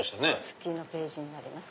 次のページになります。